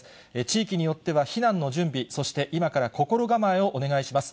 地域によっては避難の準備、そして今から心構えをお願いしま